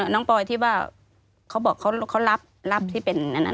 น้องปอยที่ว่าเขารับที่เป็น